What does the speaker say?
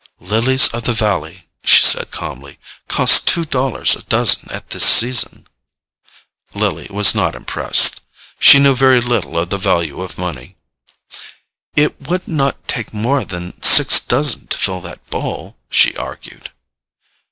"Lilies of the valley," she said calmly, "cost two dollars a dozen at this season." Lily was not impressed. She knew very little of the value of money. "It would not take more than six dozen to fill that bowl," she argued.